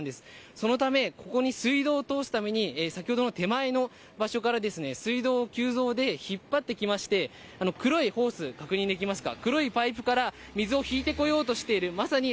そのため、水道を通すために手前の場所から水道を急造で引っ張ってきまして黒いホースが確認できますか。